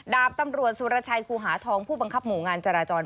ดาบตำรวจสุรชัยครูหาทองผู้บังคับหมู่งานจราจร